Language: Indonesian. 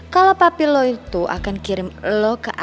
kalau papi lo itu akan kirim lo ke asrama